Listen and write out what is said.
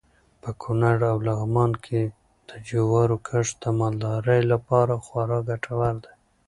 په کونړ او لغمان کې د جوارو کښت د مالدارۍ لپاره خورا ګټور دی.